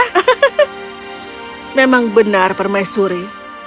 hahaha memang benar permaisuri